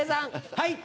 はい。